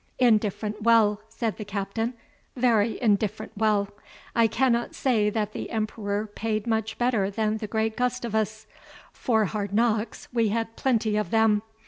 "Indifferent well," said the Captain "very indifferent well. I cannot say that the Emperor paid much better than the great Gustavus. For hard knocks, we had plenty of them.